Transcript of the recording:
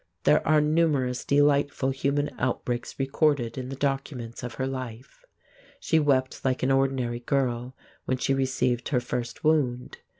There are numerous delightful human outbreaks recorded in the documents of her life. She wept like an ordinary girl when she received her first wound.